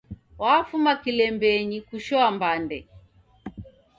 Wafuma kilembenyi kushoa mbande